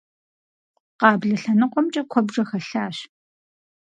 Къаблэ лъэныкъуэмкӀэ куэбжэ хэлъащ.